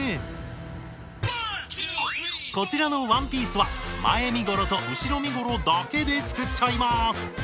こちらのワンピースは前身ごろと後ろ身ごろだけで作っちゃいます。